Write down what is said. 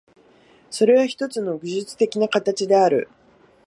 それはひとつの技術的な形である。